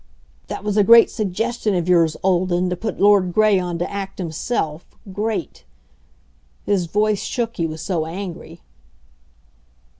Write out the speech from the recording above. "That was a great suggestion of yours, Olden, to put Lord Gray on to act himself great!" His voice shook, he was so angry.